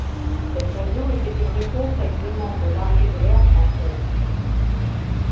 Cet avion était une réponse à une demande de l'Armée de l'air française.